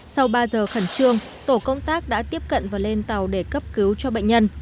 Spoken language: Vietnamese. sau ba giờ khẩn trương tổ công tác đã tiếp cận và lên tàu để cấp cứu cho bệnh nhân